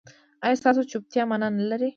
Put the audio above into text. ایا ستاسو چوپتیا معنی نلري؟